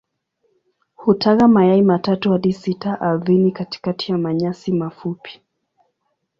Hutaga mayai matatu hadi sita ardhini katikati ya manyasi mafupi.